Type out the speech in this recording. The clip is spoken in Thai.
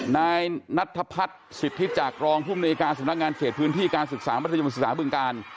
ในนัทภัศน์สิบทิศจากกรองผู้มกาสำนักงานเผ็ดพื้นที่การศึกษามยศึกษาบึงการ